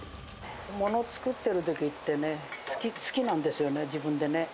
もの作ってるときってね、好きなんですよね、自分でね。